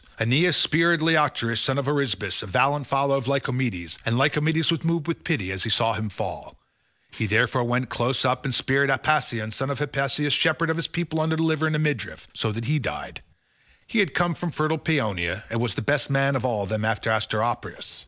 Aeneas speared Leiocritus son of Arisbas, a valiant follower of Lycomedes, and Lycomedes was moved with pity as he saw him fall; he therefore went close up, and speared Apisaon son of Hippasus shepherd of his people in the liver under the midriff, so that he died; he had come from fertile Paeonia and was the best man of them all after Asteropaeus.